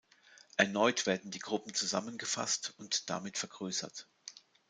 Erneut werden die Gruppen zusammengefasst und damit vergrößert.